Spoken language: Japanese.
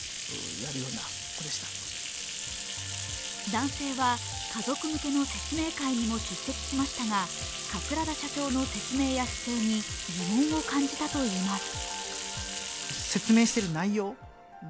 男性は家族向けの説明会にも出席しましたが、桂田社長の説明や姿勢に疑問を感じたといいます。